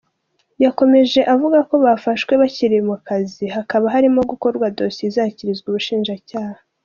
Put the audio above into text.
Yakomeje avuga ko bafashwe bari bakiri mu kazi, hakaba harimo gukorwa dosiye izashyikirizwa ubushinjacyaha.